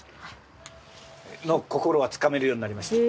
の心はつかめるようになりました。